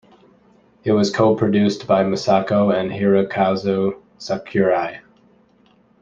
It was co-produced by Misako and Hirokazu Sakurai.